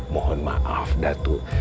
mohon maaf datuk